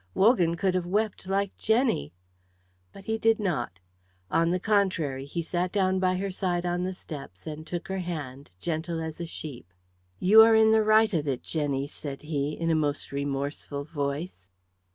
Wogan could have wept like Jenny. But he did not. On the contrary, he sat down by her side on the steps and took her hand, gentle as a sheep. "You are in the right of it, Jenny," said he, in a most remorseful voice.